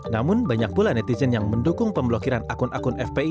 namun banyak pula netizen yang mendukung pemblokiran akun akun fpi